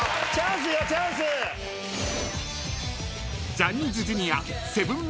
［ジャニーズＪｒ．］